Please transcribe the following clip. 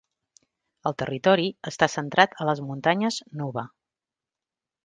El territori està centrat a les muntanyes Nuba.